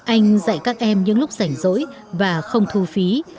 anh dạy các em những lúc rảnh rỗi và không thu phí